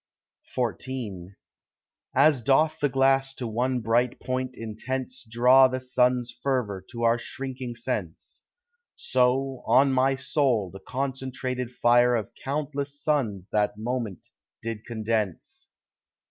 XIV As doth the glass to one bright point intense Draw the sun's fervour to our shrinking sense; So, on my soul, the concentrated fire Of countless suns that moment did condense.